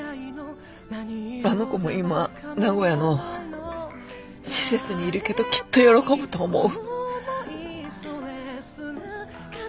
あの子も今名古屋の施設にいるけどきっと喜ぶと思う。